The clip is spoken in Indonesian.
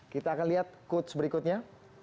kita akan lihat quotes berikutnya